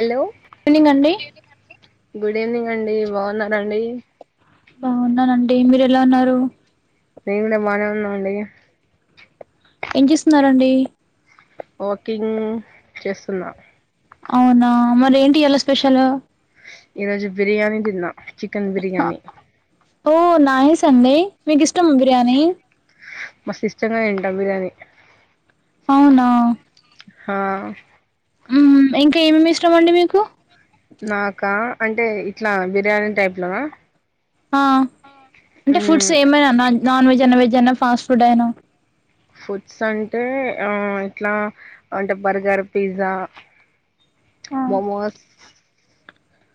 Hello good evening అండి good evening అండి బాగున్నారండి బాగున్నానండి మీరు ఎలా ఉన్నారు మేం కూడా బానే ఉన్నామండి ఏం చేస్తున్నారండి వాకింగ్ చేస్తున్నా అవునా మరి ఏంటి ఎలా స్పెషల్ ఈరోజు బిర్యానీ దిన్నా చికెన్ బిర్యానీ ఓ నాయిస్ అండి మీకు ఇష్టమా బిర్యానీ మస్త్ ఇష్టంగా తింటా బిర్యానీ అవునా హా ఇంకా ఏమేమి ఇష్టం అండి మీకు నాకా అంటే ఇట్లా బిర్యానీ టైప్ లోనా ఆ అంటే ఫుడ్స్ మ్మ్ ఏమైనా నా నాన్ వెజ్ అయినా వెజ్ అయినా ఫాస్ట్ ఫుడ్ అయినా ఫుడ్స్ అంటే ఇట్లా అంటే బర్గర్ పిజ్జా మోమోస్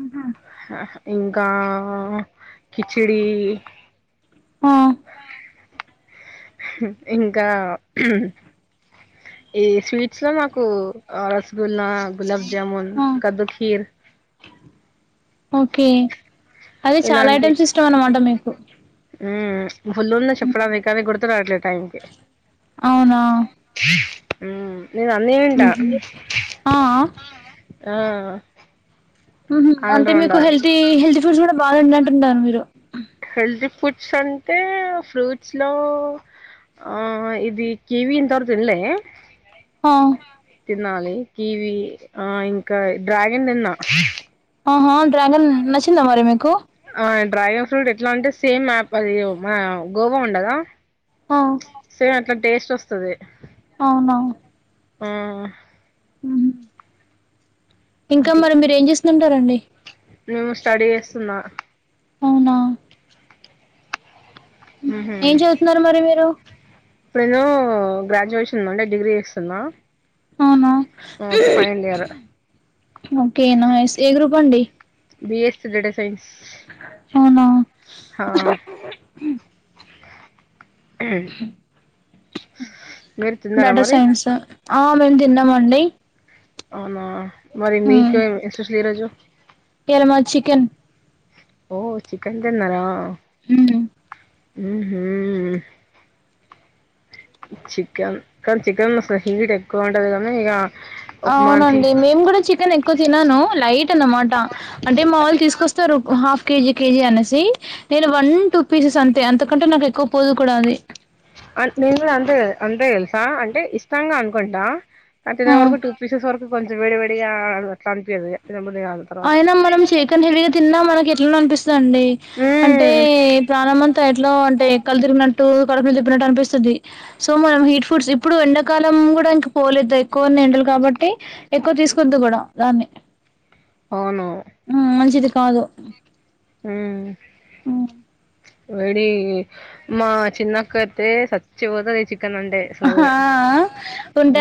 ఉ హు ఇంకా కిచిడి ఆ ఇంకా ఈ స్వీట్ అస్లా నాకు రసగుల్లా గులాబ్ జాముూన్ ఆ, కద్దుఖీర్ ఓకే అదే చాలా ఐటెమ్స్ ఇష్టం అన్నమాట మీకు ఉ ఫుల్ ఉన్నాయి చెప్పడానికి కాని గుర్తురాట్లే టైంకి అవునా ఉ ఆ ఆ ఆల్ అంటే మీకు రౌండర్ హెల్తీ హెల్తీ ఫుడ్స్ కూడా బాగాండి అంటుంటను మీరు హెల్దీ ఫుడ్స్ అంటే ఫ్రూట్స్ లో ఆ ఇది కివి ఇంత వరకు తిన్లే ఆ తినాలి కివి ఆ ఇంకా డ్రాగన్ తిన్నా ఆహా డ్రాగన్ నచ్చిందా మరి మీకు ఆ డ్రాగన్ ఫ్రూట్ ఎట్లా అంటే సేమ్ యాప్ అది గోవా ఉండదా, ఆ సేమ్ అట్లా టేస్ట్ వస్తాది. అవునా ఆ ఇంకా మరి మీరు ఏం చేస్తుంటారండి, మేము స్టడీ చేస్తున్నా అవునా ఉహు ఏం చదువుతున్నారు మరి మీరు ఇప్పుడు నేను గ్రాడ్యుయేషన్ మొన్నే డిగ్రీ చేస్తున్నా అవునా అ ఫైైనల్ ఇయర్ ఓకే నైస్ ఏ గ్రూప్ అండీ బిఎస్ డేటా సైన్స్ అవునా హ [unintelligible] మీరు తిన్నారా డేటా మరి సైన్స్ ఆ మేము తిన్నామండి, అవునా మరి ఉమ్ మీకు ఎం స్పెషల్ ఈరోజు ఇయాల మాది చికెన్ ఓ చికెన్ తిన్నారా ఉ ఉహు చికెన్ కానీ చికెన్ అసలు హీట్ ఎక్కువ ఉంటది కానీ ఇక ఒక మాటి అవునండి మేము కూడా చికెన్ ఎక్కువ తినను లైట్ అనమాట అంటే మా వాళ్ళు తీసుకొస్త హాఫ్ కేజీ కేజీ అనేసి నేను వన్ టూ పీసెస్ అంతే అంత ఎందుకంటే నాకు ఎక్కువ పోదు కూడా అది నేను కూడా అంతే అందే తెలుసా అంటే ఇష్టంగా అనుకుంటా అ తిన్నే వరకు ఆ టూ పీసెస్ వరకు కొంచెం వేడి వేడి అట్లా అనిపియదు, కాదు తర్వాత అయినా మనం చకెన్ హెవీగా తిన్నా మనకి ఎట్ల అనిపిస్తుందిండి అంటే మ్మ్ ప్రాణమంత ఎట్లా అంటే కళ్ళు తిరిగినట్టు కడుపుల తిప్పినట్టు అనిపిస్తుంది సో మనం హీట్ ఫుడ్స్ ఇప్పుడు ఎండాకాలం కూడా ఇంక పోలేదు ఎక్కువ ఎండలు కాబట్టి ఎక్కువ తీసుకోవద్దు కూడా దాన్ని అవును హ్మ్ మంచిది కాదు వెడి మా చిన్న అక్క అయితే సచ్చి పోతది చి ఆ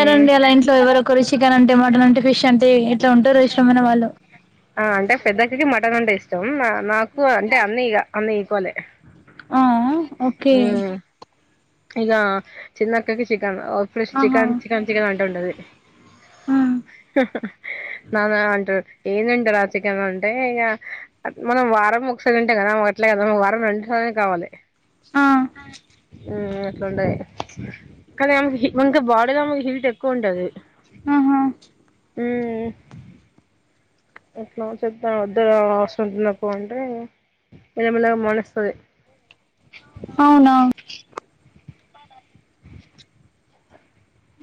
మ్మ్ అలా ఇంట్లో ఎవరొ ఒకరు చికెన్ అంటే మటన్ అంటే ఫిష్ అంటే ఇట్లా ఉంటారు ఇష్టమైన వాళ్ళు ఆ అంటే పెద్ద అక్క కి మటన్ అంటే ఇష్టం నాకు అంటే అన్నీ ఇ అన్న ఇకోవలే ఆ ఆ ఓకే ఇగా చిన్న అక్క కి చి ఇష్టం ఓ ఫ్రెష్ ఆహా! చికెన్ చికెన్ అంటుంటది. ఆ నానా అంటారు ఏం తింటావురా చికెన్ అంటే ఇగా మనం వారంలా ఒకసారి తింటాం కదా ఆమె అట్లా చే వారంలా రెండు సార్ల కావాలి, ఆ హు అట్లా ఉంటది కానీ మనకి బాడీలో హీట్ ఎక్కువ ఉంటది, ఆహా హుమ్ ఎట్లా చెప్తా వద్ద వాష్ రూమ్ కన్నా పొండ్రి మెల్ల మెల్లగా మొల్లస్తది అవునా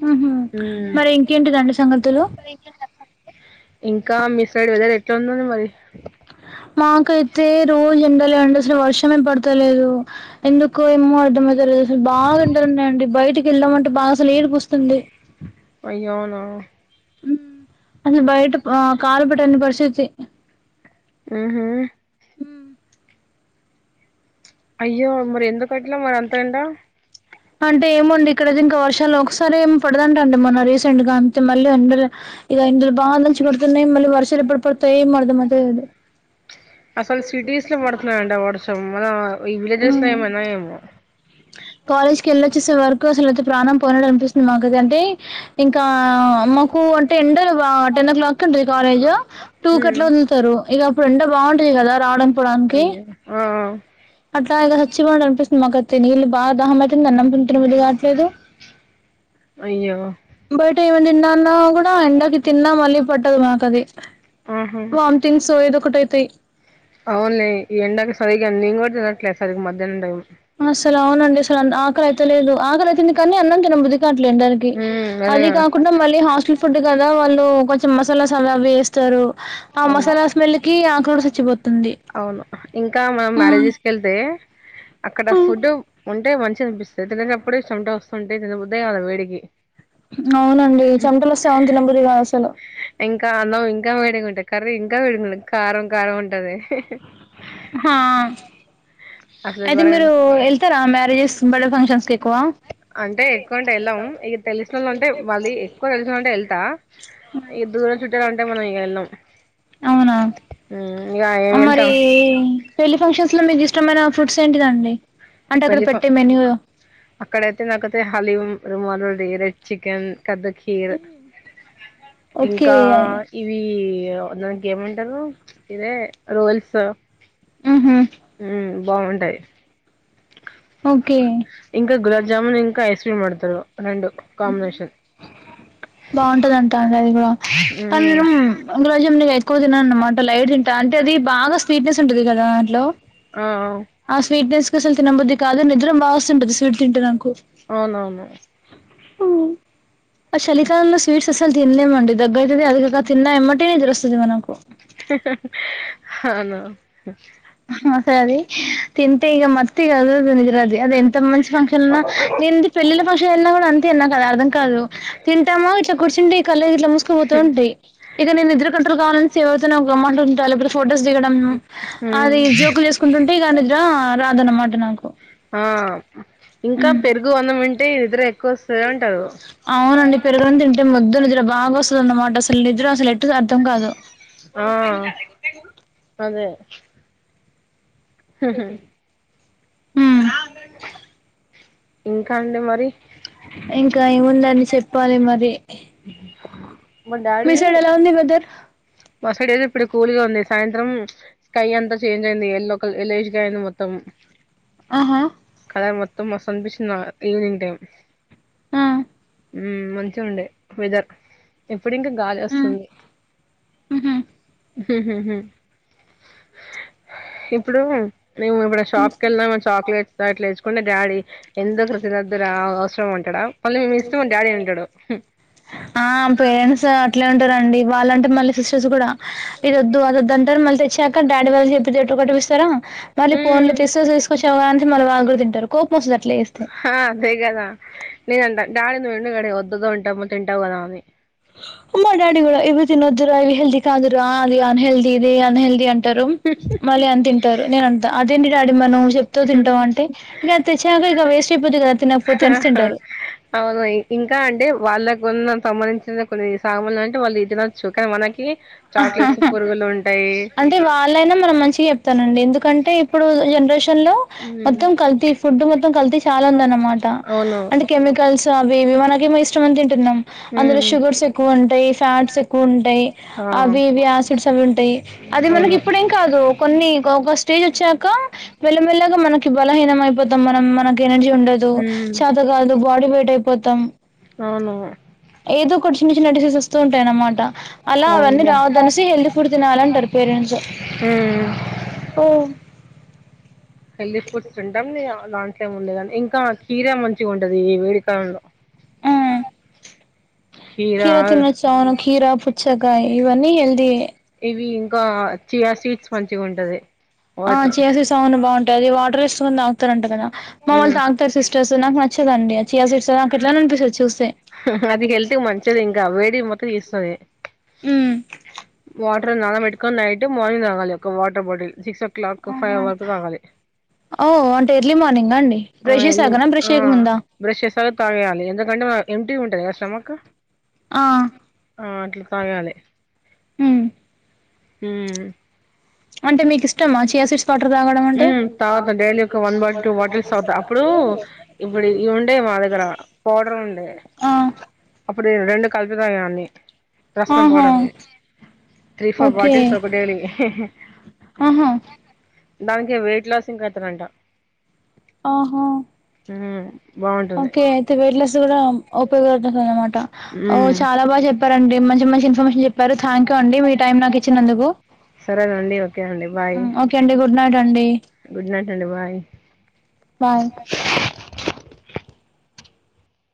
హుమ్మ్ మ్మ్ మరి ఇంకేంటి దాని సంగతులు ఇంకా మిసైడ్ వెదర్ ఎట్లా ఉంటుంది మరి కొత్తూరు ఎండలు ఎండ రోజు అసలు వర్షం ఎం పడతలేదు ఎందుకు ఏమో అర్ధమయే లెద్ బాగా ఎండాలునాయండి బయటికి వెల్దామంటే బాగా అసలు ఏడుపొస్తుంది అయ్యో అవునా హ్మ్ బయట ఆ కాలు పెటలేని పరిస్థితి హుమ్ అయ్యో మరి ఎందుకు అట్లా మరి అంతా ఎండ అంటే ఏమొండి ఇక్కడ ఇంకా వర్షం నెలో ఒకసారే ఏం పడదంటండి మొన్న రీసెంట్ గా అంతే మళ్ళీ ఎండాలే ఇగ [unintelligible] వాన్లోచి పడుతున్నాయి మళ్ళీ వర్షాలు ఎప్పుడి పడతాయి ఏమో అర్థంమయితా లేదు అసలు సిటీస్ లో పడుతున్నాయండి వర్షం మన ఈ విలేజెస్ లో ఏమన్నా ఏమో కాలేజ్ కి వెళ్ళొచ్చేసే వరకు అసలుయితే ప్రాణం పోనట్ అనిపిస్తుంది నాకు అయితే ఇంకా ఆ మాకు అంటే ఎండలు బా టెన్ ఓ క్లాక్ ఉంటుంది కాలేజ్ టూ కట్ల హ్మ్ వదులుతారు ఇక ఎండలు బా ఉంటాయి కదా రావడానికి పోవడానికి అయ్యో ఆ త ఇగ చచ్చిపోతాం అనిపిస్తుంది మాకైతే నీళ్లు బాగా దాహం ఐత్ తిందాం [unintelligible] వీళ్లు కావట్లేదు అయ్యో బయట ఎం తిందాం అన్నా ఎండాకి తిన్నా మళ్ళీ పట్టదు మాకు అది ఆహా వామ్ థింగ్స్ ఏదొ ఒకటి ఐతాయి నేన్ కూడా తినట్లేదు సరిగా మధ్యాహ్న టైం అసలు అవునండి అసలు ఆకాలైత లేదు ఆకల అయితుంది కానీ అన్నం తిన్నా బుద్ది గట్లేమ్ డదానికి ఉమ్ అది అదేగా కాకుండా మళ్ళీ హాస్టల్ ఫుడ్ కదా వాళ్ళ ఓ కొంచెం మసాలాస్ అవి అవ్ వేస్తారు ఆ అవును మసాలా స్మెల్ కి ఆకూడా చచ్చిపోతుంది అవును ఇంకా మనం హ్మ్. మ్యారేజ్స్ కి వెళ్తే అక్కడ ఫుడ్ ఉంటే మంచి అనిపిస్తుంది తినేటప్పుడు చెమాట వస్తుంటాయి తిన్నా బుద్దే గాదు వేడికి అవునండి చెమటలు వస్తే అన్నం తిన్న బుద్ది కావడం లేదు అసలు ఇంకా అన్నం ఇంకా వేడిగా ఉంటాంది కర్రీ ఇంకా వేడి కారం కారం ఉంటది ఆహా అసలు అయితే మీరు ఘోరంగా వెళ్తారా మ్యారేజెస్ బర్డే ఫంక్షన్స్ కి ఎక్కువ అంటే ఎక్కువ అంటే వెళ్ళాము ఇక తెలిసిన వాళ్ళు అంటే మళ్ళీ ఎక్కువ తెలిసిన అంటే వెళ్తా ఇక దూరం చుట్టాలంటే మనం ఇక వెళ్ళాం అవునా ఇక ఏం ఆ మరి వెళ్తాం పెళ్లి ఫంక్షన్స్ లో మీకు ఇష్టమైన ఫ్రూట్స్ ఏంటిదండి అంటే అక్కడ పెట్టే మెన్యూ అక్కడయితే నాకైతే హలీ రుమాలు ఉడి రెడ్ చికెన్ కద్ద కీర్ ఓకే ఇంకా ఇవి దానికి ఏమంటారు ప్చ్ ఇదే రూల్స్ హ్మ్ హు ఉ బాగుంటాయి ఓకే జముూన్ ఇంకా ఐస్క్రీం పెడ్తారు కాంబినేషన్ బాగుంటదంటా అది కూడా కానీ నేను మ్మ్ [unintelligible] తినను అన్న మాట లైట్ తింటా అంటే అది బాగా స్వీట్నెస్ ఉంటాది కాద దాంట్లో ఆ ఆ స్వీట్ నెస్ అస్సలు తినబుద్ది కాదు నిద్ర బాగొస్తుంటది స్వీట్ తింటే నాకు అవునవును సలికాలంలో స్వీట్స్ అస్సల్ తినలేమండి దగైతది అది గాక తిన్నా ఎమ్మటే నిదరొస్తది మనకు హవును మసల్ అది తింతే ఇగ మతుగ [unintelligible] నిద్ర అది ఎంత మంచి ఫంక్షన్ అన్నా నేను పెళ్ళిళ్ళ ఫంక్షన్ ఎళినా కూడా అంతే నాకు అది అర్థం కాదు తింటామా ఇట్లా కూర్చుండి కళు గిట్లా మూసుకుపోత ఉంటయ్ ఇగ నేను నిద్ర కంట్రోల్ కావాలని [unintelligible] లేకపోతే ఫోటోస్ దిగడం హ్మ్ అది జోకులు యేసుకుంటుంటే ఇగ నిద్ర రాదన్నమాట నాకు ఆ ఇంకా ఉమ్ పెరుగు అన్నం అంటే నిద్ర ఎక్కువ వస్తది అంటారు అవునండి పెరుగన్నం తింటే మొద్దు నిద్ర బాగా వస్తదన్నమాట అసలు నిద్ర అసలు ఎట్టు సరి అర్థం కాదు ఆ అదే హహ ఉమ్ ఇంకా అండి మరి ఇంకా ఏముందండి చెప్పాలి మరి అ మీ సైడ్ ఎలా ఉంది వెదర్ మా సైడ్ అయితే ఇప్పుడు కూల్గా ఉంది సాయంత్రం స్కై అంతా చేంజ్ అయింది ఎల్లో క ఎల్లోయిష్ గా అయింది మొత్తం ఉ ఆహా మొత్తం మస్త్ అనిపించింది ఈవినింగ్ టైం ఆ హ్మ్ మంచిగా ఉండే వెదర్ ఇప్పుడు ఇంకా గాలి వస్తుంది మ్మ్ హూ ఇప్పుడు మేము ఇప్పుడు షాప్ కి వెళ్ళానా ఏమన్నా చాక్లెట్స్ అట్లా తెచ్చుకున్నా డాడీ ఎందుకురా తినొదురా అవసరం మళ్ళా మేం తెస్తే మా డాడీ తింటడు ఆ పేరెంట్స్ అట్లే ఉంటారండి వాళ్ళంటే మళ్ళీ సిస్టర్స్ కూడా ఇది ఒద్దు అదొద్దంటారు మళ్ళీ తెచ్చాక డాడీ వాళ్ళు చెప్పితే ఎట ఒకటిపిస్తారా మళ్ళీ పోన్లే హ్మ్ తెస్తే తీసుకొచ్చావా అంటే మళ్ళ వాళ్ళ కూడా తింటారు కోపమొస్తది ఆ అదే కదా నేనంట డాడీ నువెందుకు డాడీ వద్దు వద్దు అంటావ్ తింటావు కదా అని మా డాడీ కూడా ఇవి తినొద్దురా ఇది హెల్తీ కాదురా అది అన్ హెల్తీది ఇది అన్ హెల్తీ అం టారు మళ్ళీ అని తింటారు నేనంటా అదేంటి డాడీ మరి నువ్వు చె చెప్తూ తింటావ్ అంటే ఇగ తెచ్చినాక ఇగ వేస్ట్ అయిపోద్ది కదా తినకపోతే అనేసి తింటారు అవుగోయి ఇంకా అంటే వాళ్ళ కొన్న సంబంధించిన కొన్ని సామన్లు అంటే వాళ్ళు తినొచ్చు కానీ మనకి చాక్లెట్స్ పురుగులు ఉంటాయి అంటే వాళ్ళైనా మన మంచికి చెప్తారండి ఎందుకు కంటే ఇప్పుడు జనరేషన్ లో హ్మ్ మొత్తం కల్తీ ఫుడ్ మొత్తం కల్తీ చాలా ఉందన్నమాట అవును అంటే కెమికల్స్ అవి మనకేమో ఇష్టం అని తింటున్నాం అందులో హ్మ్ షుగర్స్ ఎక్కువ ఉంటాయ్ ఫ్యాట్స్ ఎక్కువ ఉంటాయ్ ఆ అవి ఇవి యాసిడ్స్ అవి ఉంటాయ్ అది మనకి అవును ఇప్పుడేం కాదు కొన్ని ఒక స్టేజ్ వచ్చాక మెల్ల మెల్లగా మనకి బలహీనం అయిపోతాం మనం మనకి ఎనర్జీ ఉండదు హ్మ్ చాత కాదు బాడీ వెయిట్ అయిపోతాం అవును ఏదో ఒక్కటి చిన్న చిన్న డిసిజేసు వస్తు ఉం అనమాట అలా అవన్నీ అవును రావద్దనేసి హెల్దీ ఫుడ్ తినాలంటారు పేరెంట్సు. హ్మ్ ఓ హెల్తీ ఫుడ్స్ తింటాం నీ లాంట్లో ఉండే కానీ ఇంకా కీరా మంచిగా ఉంటది ఈ వేడికాలంలో. కీరా తినొచ్చాను కీరా పుచ్చకాయి ఇవన్నీ హెల్దీయే ఇవి ఇంకా చియా సీడ్స్ మంచిగా ఉంటది ఆ వాటర్ చీయసీడ్స్ బాగుంటాది వాటర్ వేసుకొని తాగుతరంటా కదా. మావొళ్ళు హ్మ్ తాగుతారు సిస్టర్సు నాకు నచ్చదండి ఆ చీయసీడ్సు నాకు ఎట్లానో అనిపిస్తుంది చూస్తే. హా హా అది హెల్తుకి మంచిది ఇంకా వేడి మొత్తం తిస్తాది. ఉ వాటర్ నానా పెట్టుకొని నైటు మార్నింగ్ తాగాలి ఒక water bottle six o'clock five ఆహా వరకు తాగాలి. ఓ అంటే ఎర్లీ మార్నింగా అండి ఆ బ్రష్ ఎల్లు చేసాకనా బ్రష్ ఆ చేయక ముందా బ్రష్ చేస్తేనే తాగేయాలి ఎందుకంటే ఎంప్టీగా ఉంటుందిగా స్టామక్కు ఆ ఆ అట్లా తాగేయాలి ఉ ఉ అంటే మీకు ఇష్టమా చియాసీడ్స్ వాటర్ తాగడం ఉ అంటే తాగతా డైలీ ఒక వన్ బాటిల్ టూ బాటిల్స్ తాగుతా అప్పుడు ఇప్పుడు ఇవి ఉండే మా దగ్గర పౌడర్ ఉండే ఆ అప్పుడు రెండు కలిపి తాగేదాన్ని. రాస్నా ఆహా పౌడర్ అది తీ ఫోర్ ఓకే బాటిల్స్ ఒక డైలీ ఆహా దానికే వెయిట్ లాసింగ్ అయితారంట ఆహా బాగుంటుంది ఓకే అయితే వెయిట్లెస్ కూడా ఉపయోగపడుతుంది అనమాట. ఓ చాలా బాగా చెప్పారండి మంచి మంచి ఇన్ఫర్మేషన్ చెప్పారు థ్యాంక్ యూ అండి మీ టైం నాకు ఇచ్చినందుకు. సరేనండి ఓకేనండి బాయ్ ఉన్నారండి గుడ్ నైట్ అండి బాయ్ బాయ్